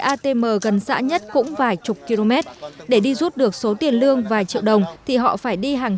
atm gần xã nhất cũng vài chục km để đi rút được số tiền lương vài triệu đồng thì họ phải đi hàng